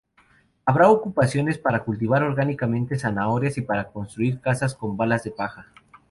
Habrá ocupaciones para cultivar orgánicamente zanahorias y para construir casas con balas de paja.